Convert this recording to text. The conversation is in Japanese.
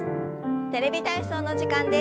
「テレビ体操」の時間です。